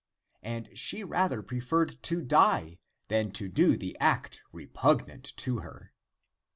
And she rather preferred to die than to do the act repugnant to her.